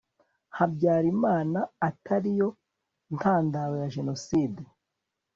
habyarimana atari yo ntandaro ya jenoside